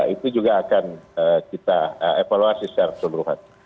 itu juga akan kita evaluasi secara keseluruhan